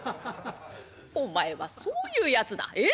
「お前はそういうやつだ。え？